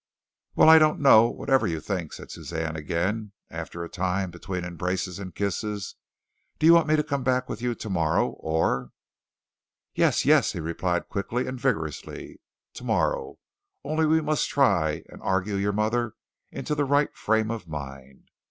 "Well, I don't know. Whatever you think," said Suzanne again, after a time between embraces and kisses, "do you want me to come back with you tomorrow, or " "Yes, yes," he replied quickly and vigorously, "tomorrow, only we must try and argue your mother into the right frame of mind.